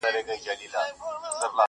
اعلیحضرت محمد ظاهر شاه چي به.